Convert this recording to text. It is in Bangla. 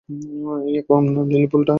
এই অকর্মণ্য লিলিপুটটা জানে।